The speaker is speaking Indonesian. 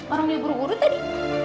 orang yang buru buru tadi